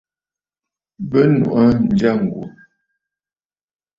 Bɨ nuʼu aa ǹjyâ ŋ̀gwò.